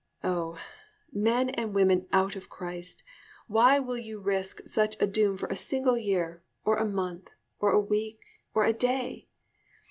Oh, men and women out of Christ, why will you risk such a doom for a single year, or a month, or a week, or a day?